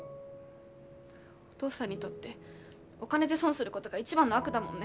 お父さんにとってお金で損するごどが一番の悪だもんね。